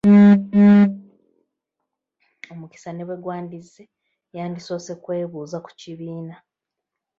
Omukisa ne bwe gwandizze yandisoose kwebuuza ku kibiina.